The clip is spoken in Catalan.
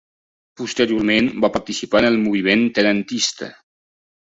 Posteriorment va participar en el moviment tenentista.